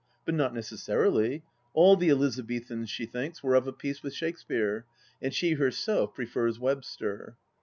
But not necessarily ; all the Elizabethans, she thinks, were of a piece with Shakespeare, and she herself prefers Webster.